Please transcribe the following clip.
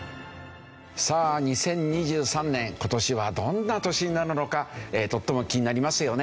さあ２０２３年今年はどんな年になるのかとっても気になりますよね。